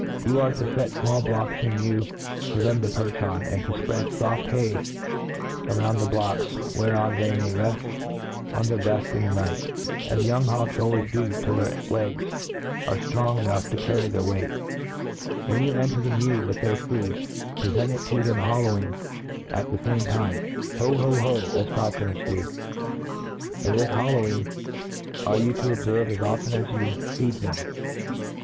You artfo fct fmall blocks in the mew for them to perch on, and to fpread foft hay around the blocks >whereon they may reft on their breaft in the night, as young hawks always do till their legs are ftrong enough to carry their weight; When you enter the mew with T their 1^6 A TREATISE OF" their food, prdent it to them hollowing at the fame time. Ho, ho, ho, as faulconers do ; and this hollowing you are to obferve as often as you feed them.